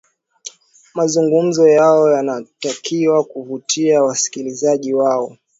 mazungumzo yao yanatakiwa kuwavutia wasikiliza wao